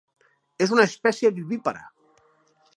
És una espècie vivípara.